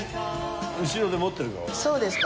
そうですか。